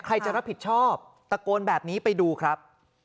ใครจะรับผิดชอบตะโกนแบบนี้ไปดูครับ